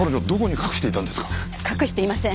隠していません。